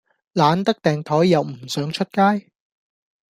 懶得訂枱又唔想出街?